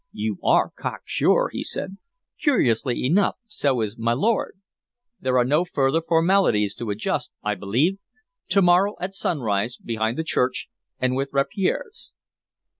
"You are cocksure," he said. "Curiously enough, so is my lord. There are no further formalities to adjust, I believe? To morrow at sunrise, behind the church, and with rapiers?"